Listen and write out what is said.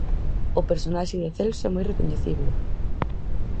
O personaxe de Celso é moi recoñecible.